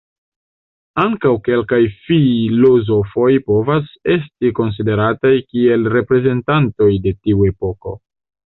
Ankaŭ kelkaj filozofoj povas esti konsiderataj kiel reprezentantoj de tiu epoko.